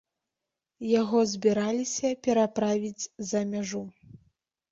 Яго збіраліся пераправіць за мяжу.